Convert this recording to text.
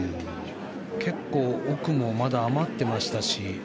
結構、奥もまだ余ってましたし。